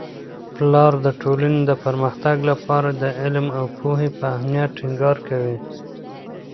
پلار د ټولنې د پرمختګ لپاره د علم او پوهې په اهمیت ټینګار کوي.